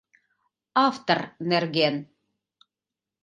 АВТОР НЕРГЕН